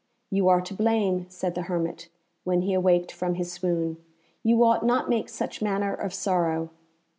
"You are to blame," said the hermit, when he awaked from his swoon, "you ought not make such manner of sorrow."